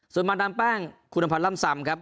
ส่วนมาตรัมป้างคุณภัทรร่ำซำครับ